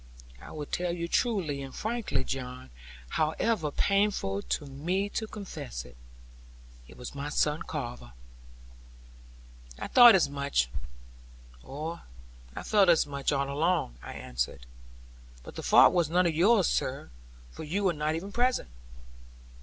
'I will tell you truly and frankly, John; however painful to me to confess it. It was my son, Carver.' 'I thought as much, or I felt as much all along,' I answered; 'but the fault was none of yours, sir; for you were not even present.'